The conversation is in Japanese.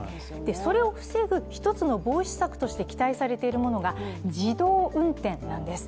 それを防ぐ一つの防止策として期待されているものが自動運転なんです。